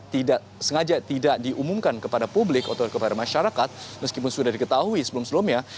tidak sengaja tidak diumumkan kepada publik atau kepada masyarakat meskipun sudah diketahui sebelum sebelumnya